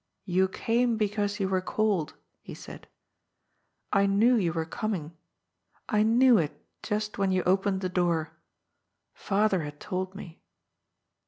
" You came because you were called," he said. *' I knew you were coming. I knew it just when you opened the door. Father had told me."